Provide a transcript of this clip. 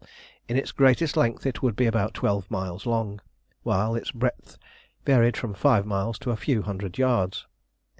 In its greatest length it would be about twelve miles long, while its breadth varied from five miles to a few hundred yards.